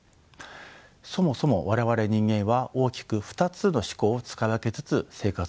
そもそも我々人間は大きく２つの思考を使い分けつつ生活をしています。